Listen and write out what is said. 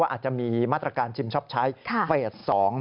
อาจจะมีมาตรการชิมชอบใช้เฟส๒